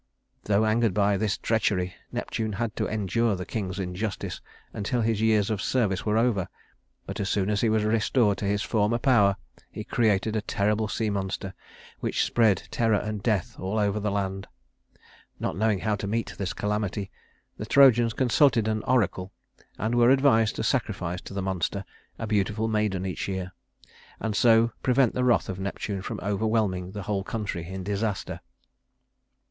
Though angered at this treachery, Neptune had to endure the king's injustice until his years of service were over; but as soon as he was restored to his former power, he created a terrible sea monster, which spread terror and death over all the land. Not knowing how to meet this calamity, the Trojans consulted an oracle, and were advised to sacrifice to the monster a beautiful maiden each year; and so prevent the wrath of Neptune from overwhelming the whole country in disaster.